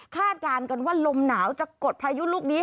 การกันว่าลมหนาวจะกดพายุลูกนี้